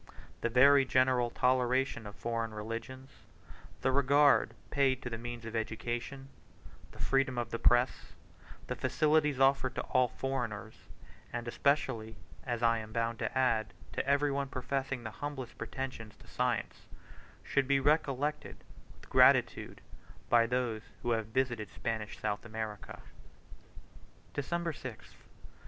The very general toleration of foreign religions, the regard paid to the means of education, the freedom of the press, the facilities offered to all foreigners, and especially, as I am bound to add, to every one professing the humblest pretensions to science, should be recollected with gratitude by those who have visited Spanish South America. December 6th.